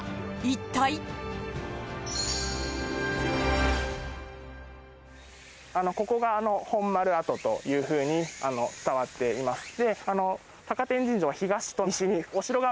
柴田さん：ここが本丸跡という風に伝わっています。